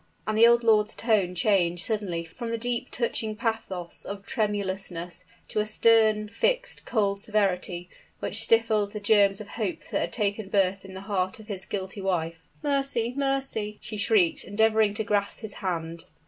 And the old lord's tone changed suddenly from the deep, touching pathos of tremulousness to a stern, fixed, cold severity, which stifled the germs of hope that had taken birth in the heart of his guilty wife. "Mercy! mercy!" she shrieked, endeavoring to grasp his hand.